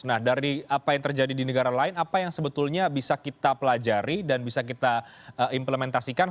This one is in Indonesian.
nah dari apa yang terjadi di negara lain apa yang sebetulnya bisa kita pelajari dan bisa kita implementasikan